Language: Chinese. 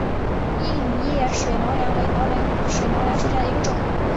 硬叶水毛茛为毛茛科水毛茛属下的一个种。